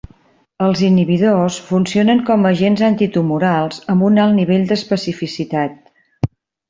Els inhibidors funcionen com a agents antitumorals amb un alt nivell d'especificitat.